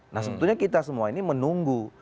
nah sebetulnya kita semua ini menunggu